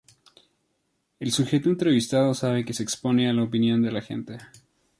El sujeto entrevistado sabe que se expone a la opinión de la gente.